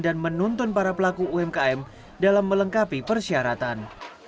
dan menonton para pelaku umkm dalam melengkapi persyaratan